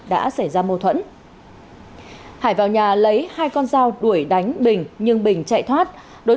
đã xảy ra mâu thuẫn hải vào nhà lấy hai con dao đuổi đánh bình nhưng bình chạy thoát